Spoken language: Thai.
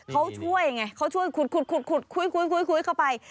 เขาช่วยไงเขาช่วยขุดคุยเข้าไป